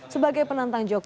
sebagai penantang jadwal